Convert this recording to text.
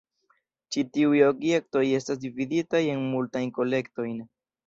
Ĉi tiuj objektoj estas dividitaj en multajn kolektojn.